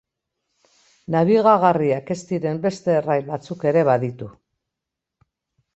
Nabigagarriak ez diren beste errail batzuk ere baditu.